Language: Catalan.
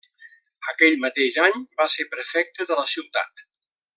Aquell mateix any va ser prefecte de la ciutat.